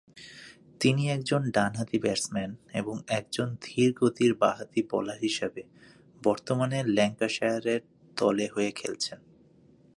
তিনি একজন ডান-হাতি ব্যাটসম্যান এবং একজন ধীরগতির বা-হাতি বোলার হিসেবে বর্তমানে ল্যাঙ্কাশায়ার দলের হয়ে খেলছেন।